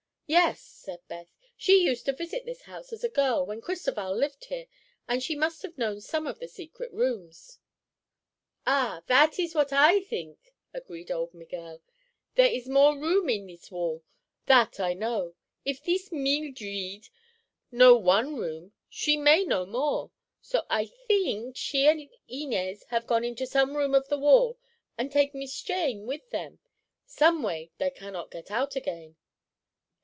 "Yes," said Beth, "she used to visit this house as a girl, when Cristoval lived here, and she must have known some of the secret rooms." "Ah, that ees what I theenk," agreed old Miguel. "There ees more room in thees wall; that I know. If thees Mildreed know one room, she may know more. So I theenk she and Inez have go into some room of the wall an' take Mees Jane with them. Some way, they cannot get out again."